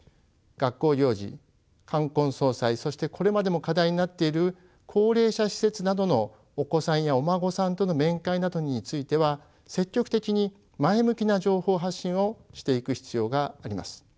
学校行事冠婚葬祭そしてこれまでも課題になっている高齢者施設などのお子さんやお孫さんとの面会などについては積極的に前向きな情報発信をしていく必要があります。